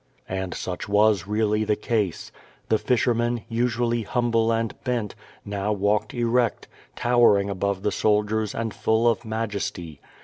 And such was really the case. The fisherman, usually humble and bent, now walked erect, towering above the sol diers, and full of majesty.